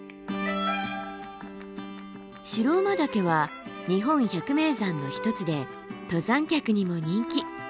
白馬岳は日本百名山の一つで登山客にも人気。